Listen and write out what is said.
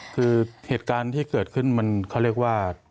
คือเหตุการณ์ที่เกิดขึ้นมันเขาเรียกว่า